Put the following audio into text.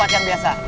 tempat yang biasa